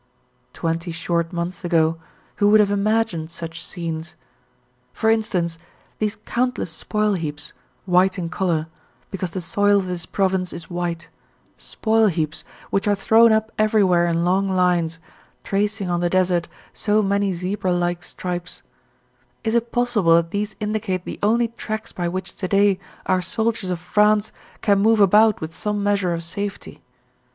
Twenty short months ago, who would have imagined such scenes? For instance, these countless spoil heaps, white in colour, because the soil of this province is white, spoil heaps which are thrown up everywhere in long lines, tracing on the desert so many zebra like stripes; is it possible that these indicate the only tracks by which to day our soldiers of France can move about with some measure of safety?